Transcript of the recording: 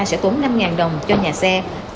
sẽ tốn năm đồng cho nhà xe